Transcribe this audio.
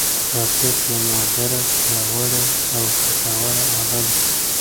راکټ یوه نادره، پیاوړې او ګټوره اله ده